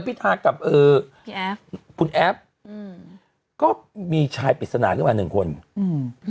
พิธากับเอ่อพี่แอฟคุณแอฟอืมก็มีชายปริศนาขึ้นมาหนึ่งคนอืม